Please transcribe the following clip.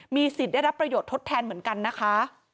สิทธิ์ได้รับประโยชน์ทดแทนเหมือนกันนะคะ